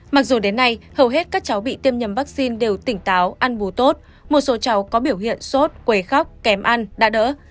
mặc dù đến nay hầu hết các cháu bị tiêm nhầm vaccine đều tỉnh táo ăn bú tốt một số cháu có biểu hiện sốt quầy khóc kém ăn đã đỡ